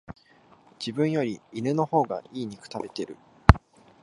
自分より犬の方が良い肉食べてる